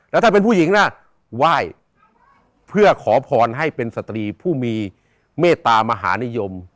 แล้วถ้าเป็นผู้หญิงนะไหว้เพื่อขอพรให้เป็นสตรีผู้มีเมตตามหานิยม